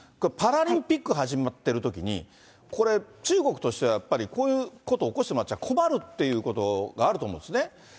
パラリンピック始まってるときに、これ、中国としてはやっぱりこういうこと起こしてもらっちゃ困るということもあると思うんですね。